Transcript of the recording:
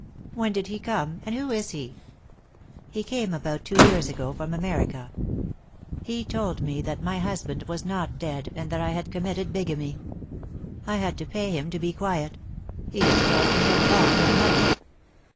"When did he come? and who is he?" "He came about two years ago from America. He told me that my husband was not dead, and that I had committed bigamy. I had to pay him to be quiet; he has cost me a lot of money."